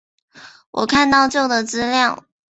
我看到旧的资料